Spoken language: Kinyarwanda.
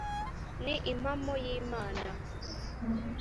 ni impamo y` imana